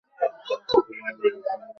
উত্তরবঙ্গের অন্যতম শ্রেষ্ঠ মহকুমা শহর নওগাঁ।